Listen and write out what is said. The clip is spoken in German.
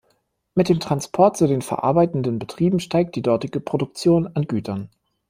Mit dem Transport zu den verarbeitenden Betrieben steigt die dortige Produktion an Gütern.